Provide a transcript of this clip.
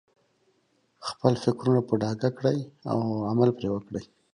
خپل فکرونه په ډاګه کړئ او عمل پرې وکړئ.